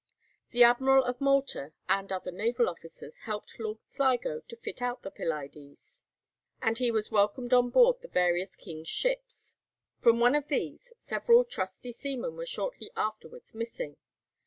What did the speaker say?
The admiral at Malta and other naval officers helped Lord Sligo to fit out the 'Pylades,' and he was welcomed on board the various king's ships. From one of these several trusty seamen were shortly afterwards missing.